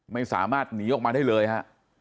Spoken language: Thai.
ไม่สามารถหนีออกมาได้เลยฮะ